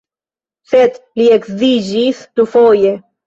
Sed li edziĝis dufoje.